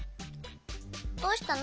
どうしたの？